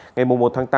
ngày một tháng tám